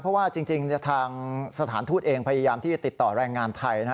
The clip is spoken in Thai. เพราะว่าจริงทางสถานทูตเองพยายามที่จะติดต่อแรงงานไทยนะฮะ